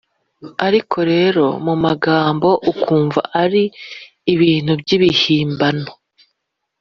ariko rero mu magambo ukumva ari ibintu by’ibihimbano